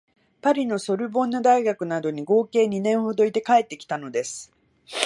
パリのソルボンヌ大学などに合計二年ほどいて帰ってきたのです